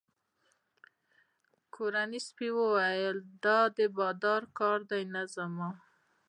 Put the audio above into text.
کورني سپي وویل چې دا د بادار کار دی نه زما.